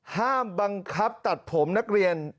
ห้ามบังคับตัดผมนักเรียน